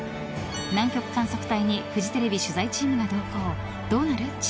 南極観測隊にフジテレビ取材チームが同行。